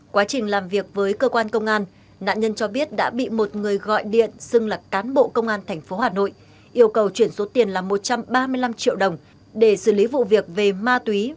quá trình làm việc với cơ quan công an nạn nhân cho biết đã bị một người gọi điện xưng là cán bộ công an tp hà nội yêu cầu chuyển số tiền là một trăm ba mươi năm triệu đồng để xử lý vụ việc về ma túy